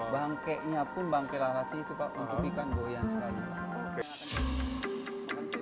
bangke nya pun bangke lalat itu pak untuk ikan goyang sekali